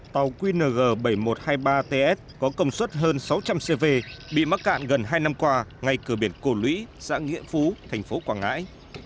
tàu qng bảy nghìn một trăm hai mươi ba ts có công suất hơn sáu trăm linh cv bị mắc cạn gần hai năm qua ngay cửa biển cổ lũy xã nghĩa phú thành phố quảng ngãi